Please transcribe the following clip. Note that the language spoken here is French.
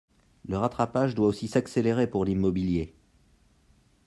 Le rattrapage doit aussi s’accélérer pour l’immobilier.